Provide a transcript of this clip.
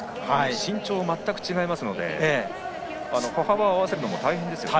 身長は全く違いますので歩幅を合わせるのも大変ですよね。